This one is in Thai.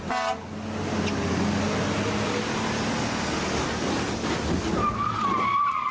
ไปแล้วมา